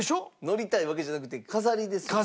乗りたいわけじゃなくて飾りですよね。